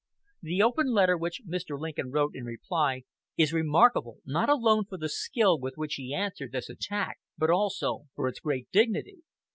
The open letter which Mr. Lincoln wrote in reply is remarkable not alone for the skill with which he answered this attack, but also for its great dignity.